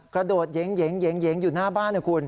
กระโดดเย้งอยู่หน้าบ้านนะคุณ